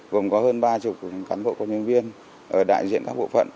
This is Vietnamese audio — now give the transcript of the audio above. gồm có hơn ba mươi cán bộ công nhân viên ở đại diện các bộ phận